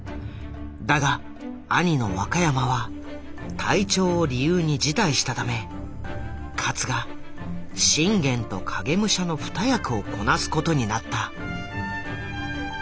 だが兄の若山は体調を理由に辞退したため勝が信玄と影武者の二役をこなすことになった。